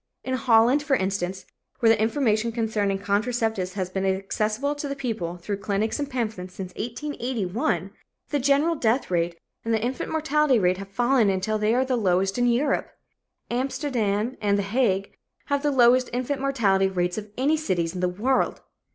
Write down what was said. In Holland, for instance, where the information concerning contraceptives has been accessible to the people, through clinics and pamphlets, since 1881, the general death rate and the infant mortality rate have fallen until they are the lowest in Europe. Amsterdam and The Hague have the lowest infant mortality rates of any cities in the world.